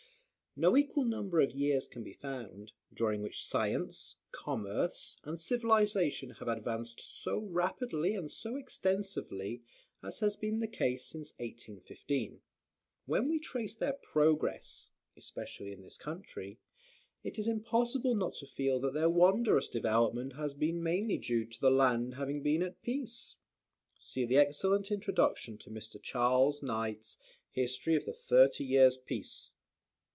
No equal number of years can be found, during which science, commerce, and civilization have advanced so rapidly and so extensively, as has been the case since 1815. When we trace their progress, especially in this country, it is impossible not to feel that their wondrous development has been mainly due to the land having been at peace. [See the excellent Introduction to Mr. Charles Knight's "History of the Thirty Years' Peace."